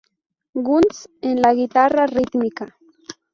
Guns en la guitarra rítmica.